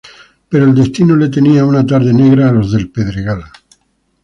Pero el destino le tenía una tarde negra a los del Pedregal.